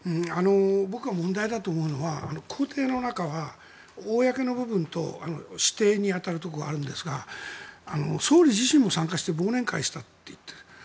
僕が問題だと思うのは公邸の中は公の部分と私邸に当たるところがあるんですが総理自身も参加して忘年会をしていたと言っていた。